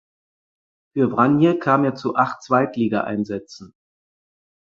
Für Vranje kam er zu acht Zweitligaeinsätzen.